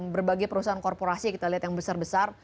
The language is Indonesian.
berbagai perusahaan korporasi kita lihat yang besar besar